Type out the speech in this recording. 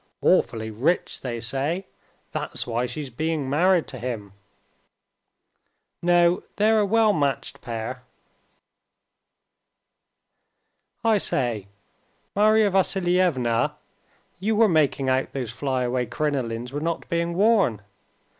Awfully rich, they say. That's why she's being married to him." "No, they're a well matched pair." "I say, Marya Vassilievna, you were making out those fly away crinolines were not being worn.